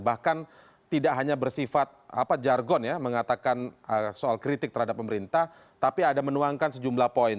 bahkan tidak hanya bersifat jargon ya mengatakan soal kritik terhadap pemerintah tapi ada menuangkan sejumlah poin